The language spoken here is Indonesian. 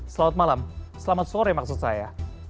selamat malam selamat sore maksud saya